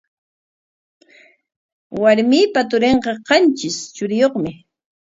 Warmiipa turinqa qantris churiyuqmi.